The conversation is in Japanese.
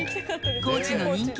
高知の人気